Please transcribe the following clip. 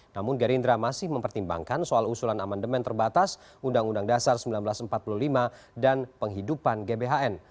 namun gerindra masih mempertimbangkan soal usulan amandemen terbatas undang undang dasar seribu sembilan ratus empat puluh lima dan penghidupan gbhn